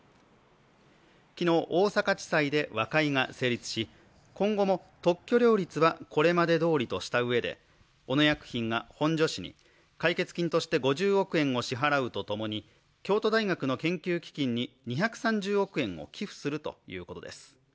昨日、大阪地裁で和解が成立し今後も特許料率はこれまでどおりとしたうえで小野薬品が本庶氏に解決金として５０億円を支払うとともに京都大学の研究基金に２３０億円を寄付するということです。